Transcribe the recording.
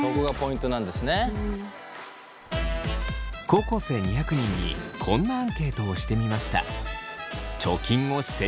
高校生２００人にこんなアンケートをしてみました。